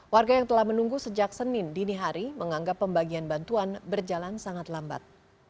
warga yang telah menunggu sejak senin dini hari menganggap pembagian bantuan berjalan sangat lambat